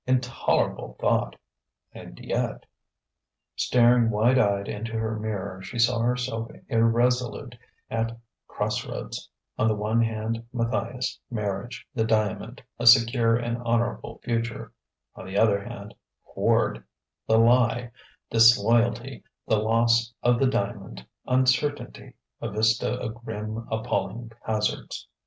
Intolerable thought! And yet.... Staring wide eyed into her mirror, she saw herself irresolute at crossroads: on the one hand Matthias, marriage, the diamond, a secure and honourable future; on the other, Quard, "The Lie," disloyalty, the loss of the diamond, uncertainty a vista of grim, appalling hazards....